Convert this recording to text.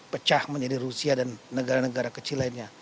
pecah menjadi rusia dan negara negara kecil lainnya